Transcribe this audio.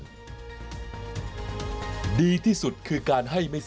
สนับสนุนโดยโอลี่คัมรี่ยากที่ใครจะตามพันธุ์